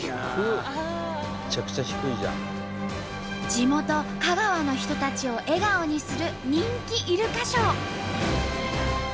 地元香川の人たちを笑顔にする人気イルカショー。